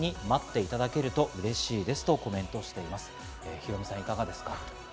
ヒロミさん、いかがですか？